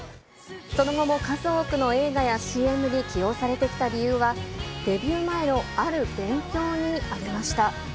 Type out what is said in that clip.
その後も数多くの映画やＣＭに起用されてきた理由は、デビュー前のある勉強にありました。